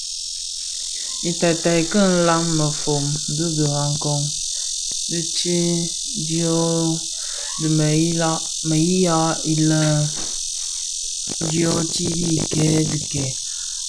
Iteeted ki nlaň mefom di Birakoň ditsem dyo dhemiya lè dyotibikèè dhikèè.